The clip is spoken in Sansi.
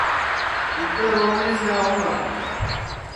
اِٻکے رووَٹؔینٚس کِیا ہوؤں گا